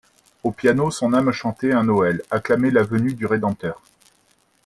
Au piano, son âme chantait un Noël, acclamait la venue du Rédempteur.